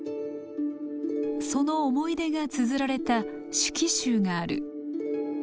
その思い出がつづられた手記集がある。